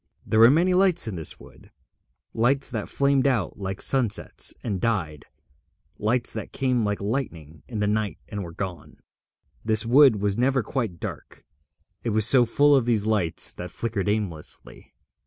There were many lights in this wood, lights that flamed out like sunsets and died, lights that came like lightning in the night and were gone. This wood was never quite dark, it was so full of these lights that flickered aimlessly.